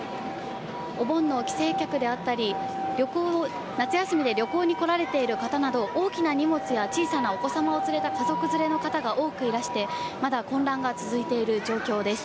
お盆の帰省客であったり、夏休みで旅行に来られている方など、大きな荷物や小さなお子様を連れた家族連れの方が多くいらして、まだ混乱が続いている状況です。